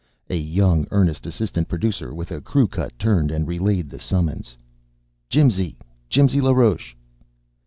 A young earnest assistant producer with a crew cut turned and relayed the summons. "Jimsy Jimsy LaRoche!"